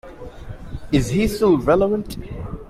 Is he still relevant?